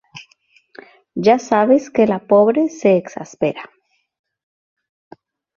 Ya sabes que la pobre se exaspera.